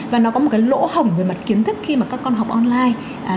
và nó có một cái lỗ hổng về mặt kiến thức khi mà các con học online